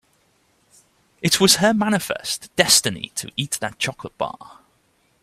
It was her manifest destiny to eat that chocolate bar.